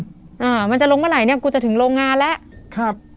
อ่ามันจะลงเมื่อไหร่เนี้ยกูจะถึงโรงงานแล้วครับ